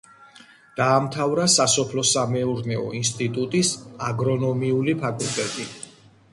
დაამთავრა სასოფლო-სამეურნეო ინსტიტუტის აგრონომიული ფაკულტეტი.